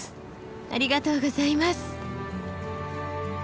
ありがとうございます。